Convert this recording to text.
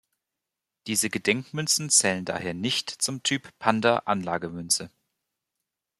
Diese Gedenkmünzen zählen daher nicht zum Typ Panda-Anlagemünze.